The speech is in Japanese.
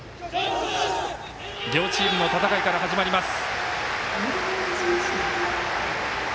両チームの戦いから始まります。